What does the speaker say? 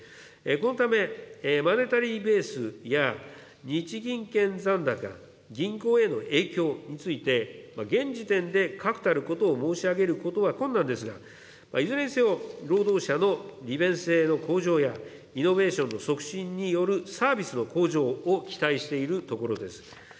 このため、マネタリーベースや、日銀券残高、銀行への影響について、現時点で確たることを申し上げることは困難ですが、いずれにせよ、労働者の利便性の向上や、イノベーションの促進によるサービスの向上を期待しているところです。